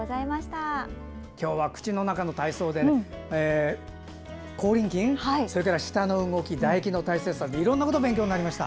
今日は、口の中の体操で口輪筋それから舌の動き唾液の大切さとかいろんなこと勉強になりました。